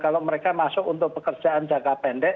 kalau mereka masuk untuk pekerjaan jangka pendek